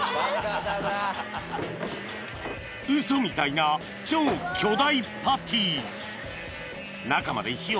［嘘みたいな超巨大パティ］